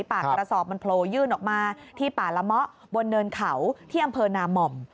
ปากกระสอบมันโผล่ยื่นออกมาที่ป่าละเมาะบนเนินเขาที่อำเภอนาม่อม